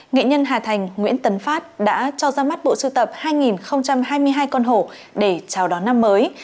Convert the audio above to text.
nghệ nhân hà thành nguyễn tấn phát đã cho ra mắt bộ sưu tập hai hai mươi hai con hổ để chào đón năm mới